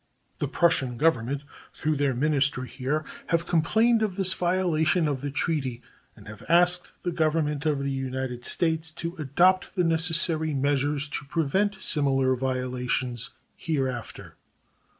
The Prussian Government, through their minister here, have complained of this violation of the treaty, and have asked the Government of the United States to adopt the necessary measures to prevent similar violations hereafter.